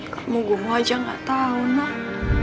kamu gue mau aja gak tau nak